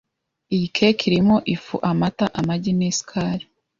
Iyi cake irimo ifu, amata, amagi nisukari.